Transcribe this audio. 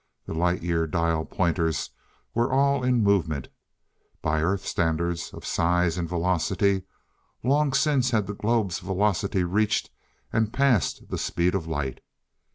The Light year dial pointers were all in movement. By Earth standards of size and velocity, long since had the globe's velocity reached and passed the speed of light.